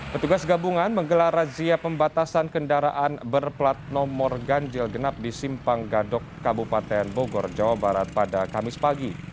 petugas gabungan menggelar razia pembatasan kendaraan berplat nomor ganjil genap di simpang gadok kabupaten bogor jawa barat pada kamis pagi